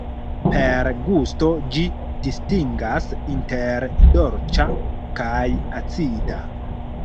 Per gusto ĝi distingas inter dolĉa kaj acida.